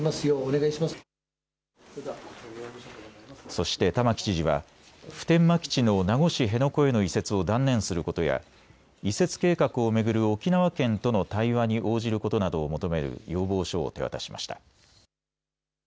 そして玉城知事は普天間基地の名護市辺野古への移設を断念することや移設計画を巡る沖縄県との対話に応じることなどを求める要望書を手渡しました。